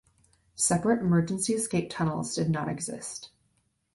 Separate emergency-escape tunnels did not exist.